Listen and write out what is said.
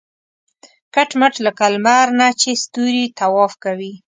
کټ مټ لکه لمر نه چې ستوري طواف کوي.